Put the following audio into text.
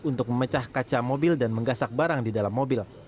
untuk memecah kaca mobil dan menggasak barang di dalam mobil